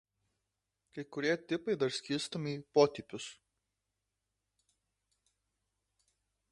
Kai kurie tipai dar skirstomi į potipius.